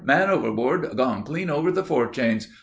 Man overboard! Gone clean over the forechains!